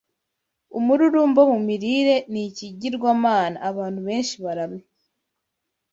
Umururumba mu mirire ni ikigirwamana abantu benshi baramya